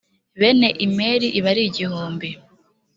bene imeri i bari igihumbi.